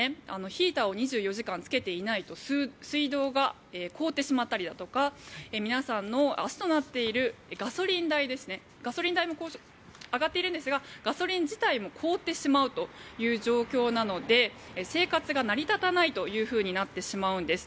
ヒーターを２４時間つけていないと水道が凍ってしまったりだとか皆さんの足となっているガソリン代も上がっているんですがガソリン自体も凍ってしまうという状況なので生活が成り立たないというふうになってしまうんです。